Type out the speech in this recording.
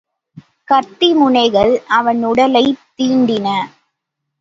கத்தி முனைகள் அவன் உடலைத் தீண்டின.